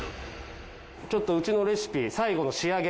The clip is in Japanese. ちょっとうちのレシピ最後の仕上げ。